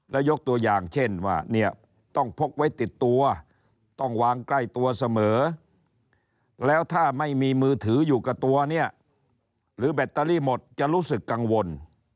แล้วยกตัวอย่างเช่นว่าเนี่ยต้องพกไว้ติดตัวต้องวางใกล้ตัวเสมอแล้วถ้าไม่มีมือถืออยู่กับตัวเนี่ยหรือแบตเตอรี่หมดจะรู้สึกกังวล